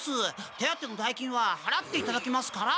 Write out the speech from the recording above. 手当ての代金ははらっていただきますから。